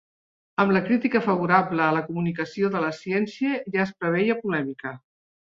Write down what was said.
Amb la crítica favorable a la "comunicació de la ciència" ja es preveia polèmica.